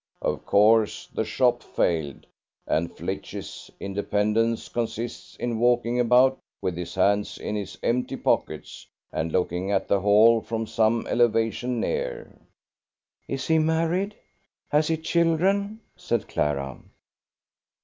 Of course the shop failed, and Flitch's independence consists in walking about with his hands in his empty pockets, and looking at the Hall from some elevation near." "Is he married? Has he children?" said Clara.